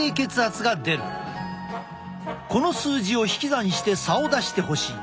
この数字を引き算して差を出してほしい。